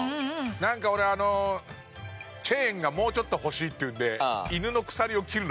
なんか俺あのチェーンがもうちょっと欲しいっていうんでハハハハ！